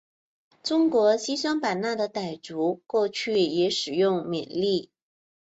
中国西双版纳的傣族过去也使用缅历。